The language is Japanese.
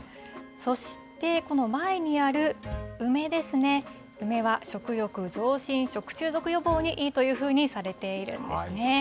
そして、この前にある梅ですね、梅は食欲増進、食中毒予防にいいというふうにされているんですね。